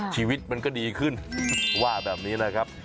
ชีวิตมันก็ดีขึ้นว่าแบบนี้นะครับ